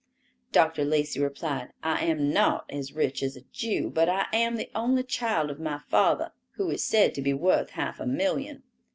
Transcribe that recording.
Dr. Lacey replied: "I am not as rich as a Jew, but I am the only child of my father, who is said to be worth half a million."